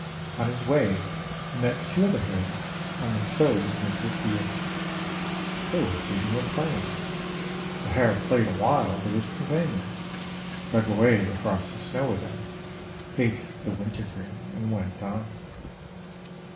On his way he met two other hares on the sowed win ter field. They were feeding and playing. The hare played awhile with his companions, dug away the frosty snow with them, ate the wintergreen, and went on.